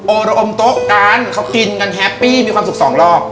อารมณ์อมโต๊ะกันเขากินกันแฮปปี้มีความสุขสองรอบ